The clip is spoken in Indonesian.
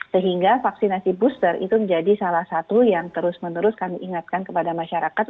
sehingga vaksinasi booster itu menjadi salah satu yang terus menerus kami ingatkan kepada masyarakat